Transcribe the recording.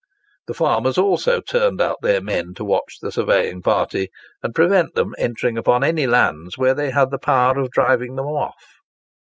The farmers also turned out their men to watch the surveying party, and prevent them entering upon any lands where they had the power of driving them off.